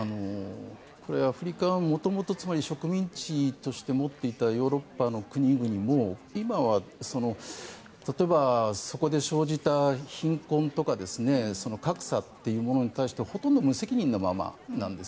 アフリカはもともと植民地として持っていたヨーロッパの国々も今は、例えばそこで生じた貧困とか格差というものに対してほとんど無責任なままなんです。